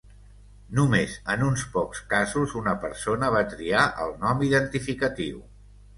Només en uns pocs casos una persona va triar el nom identificatiu.